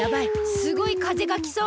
すごいかぜがきそう。